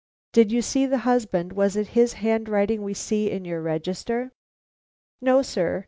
"Did you see the husband? Was it his handwriting we see in your register?" "No, sir.